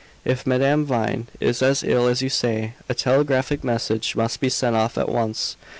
If Madame Vine is as ill as you say, a telegraphic message must be sent off at once.